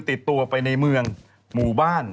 ติดตัวไปในเมืองหมู่บ้าน